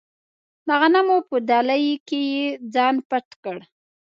د غنمو په دلۍ کې یې ځان پټ کړ.